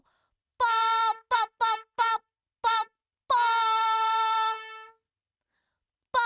パパパパッパッパ。